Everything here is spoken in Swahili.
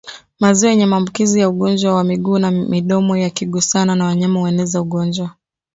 Maziwa yenye maambukizi ya ugonjwa wa miguu na midomo yakigusana na wanyama hueneza ugonjwa